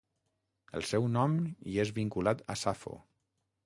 El seu nom hi és vinculat a Safo.